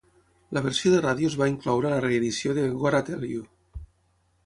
La versió de ràdio es va incloure a la reedició de "Gotta Tell You".